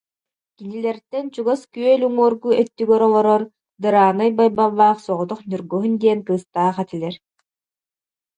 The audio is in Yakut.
Кинилэртэн чугас күөл уҥуоргу өттүгэр олорор Дыраанай Байбаллаах соҕотох Ньургуһун диэн кыыстаах этилэр